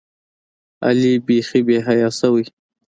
علي بیخي بېحیا شوی.